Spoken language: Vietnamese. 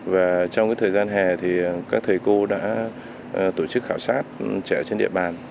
và trong thời gian hè thì các thầy cô đã tổ chức khảo sát trẻ trên địa bàn